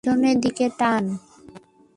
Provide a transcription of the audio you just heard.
পিছনের দিকে টান।